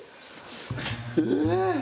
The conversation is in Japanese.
え。